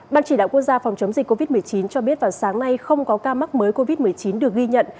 ban chỉ đạo quốc gia phòng chống dịch covid một mươi chín cho biết vào sáng nay không có ca mắc mới covid một mươi chín được ghi nhận